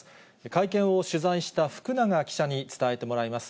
会見を取材した福永記者に伝えてもらいます。